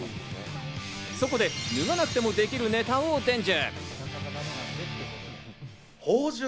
そこで脱がなくてもできるネタを伝授。